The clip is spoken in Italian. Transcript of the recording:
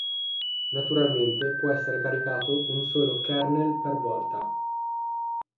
Naturalmente può essere caricato un solo kernel per volta.